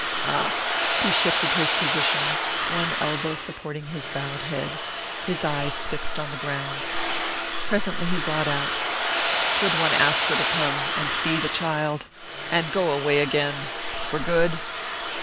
"Ah " He shifted his position, one elbow supporting his bowed head, his eyes fixed on the ground. Presently he brought out: "Could one ask her to come and see the child and go away again for good?"